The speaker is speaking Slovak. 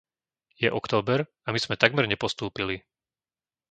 Je október a my sme takmer nepostúpili.